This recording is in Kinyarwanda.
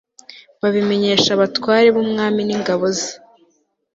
babimenyesha abatware b'umwami n'ingabo ze